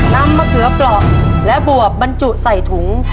นำมะเขือปลอบและบวบบรรจุใส่ถุง